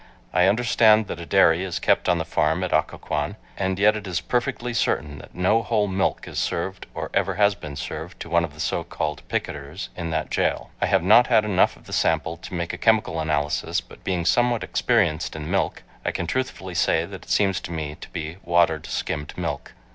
I understand that a dairy is kept on the farm at Occoquan, and yet it is perfectly certain that no whole milk is served or ever has been served to one of the so called "picketers" in that jail. I have not had enough of the sample to make a chemical analysis, but being somewhat experienced in milk, I can truthfully say that it seems to me to be watered skimmed milk.